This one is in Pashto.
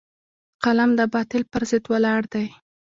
قلم د باطل پر ضد ولاړ دی